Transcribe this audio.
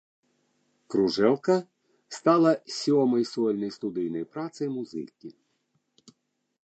Кружэлка стала сёмай сольнай студыйнай працай музыкі.